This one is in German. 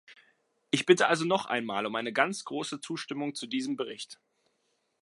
Ich bitte also noch einmal um eine ganz große Zustimmung zu diesem Bericht.